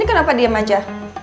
ini kenapa diam aja